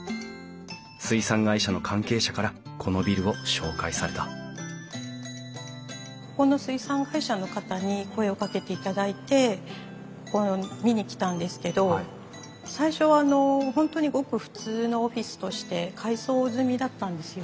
水産会社の関係者からこのビルを紹介されたここの水産会社の方に声をかけていただいてここを見に来たんですけど最初はあの本当にごく普通のオフィスとして改装済みだったんですよね。